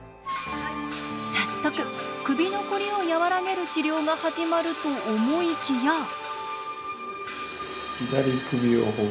早速首のコリを和らげる治療が始まると思いきや。